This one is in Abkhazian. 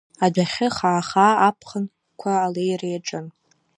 Адәахьы хаа-хаа аԥхын қәа алеира иаҿын.